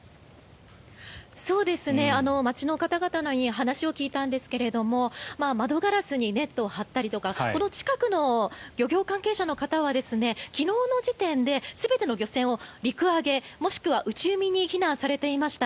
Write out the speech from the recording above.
街の方々に話を聞いたんですけれども窓ガラスにネットを張ったりとか近くの漁業関係者の方は昨日の時点で全ての漁船を陸揚げ、もしくは内海に避難されていました。